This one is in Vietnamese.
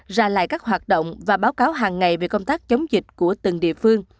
ra lại các hoạt động và báo cáo hàng ngày về công tác chống dịch của từng địa phương